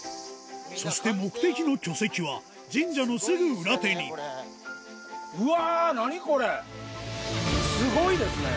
そして目的の巨石は神社のすぐ裏手にスゴいですね！